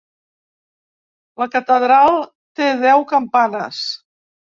La catedral té deu campanes.